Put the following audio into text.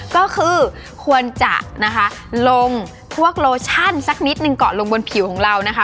ก็คือควรจะนะคะลงพวกโลชั่นสักนิดนึงเกาะลงบนผิวของเรานะคะ